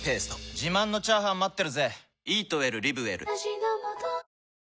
自慢のチャーハン待ってるぜ！